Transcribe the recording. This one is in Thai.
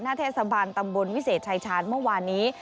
เทศบาลตำบลวิเศษชายชาญเมื่อวานนี้